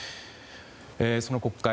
その国会